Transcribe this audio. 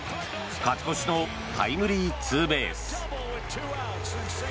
勝ち越しのタイムリーツーベース。